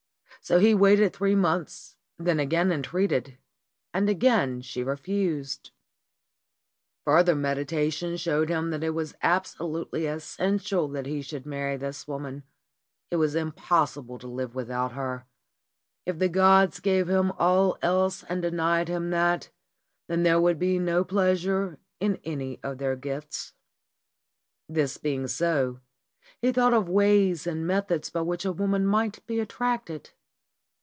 So he waited three months, then again en treated, and again she refused. Further meditation showed him that it was abso lutely essential that he should marry this woman. It was impossible to live without her. If the gods gave him all else and denied him that, then there would be no pleasure in any of their gifts. This being so, he thought of ways and methods by which a woman might be attracted.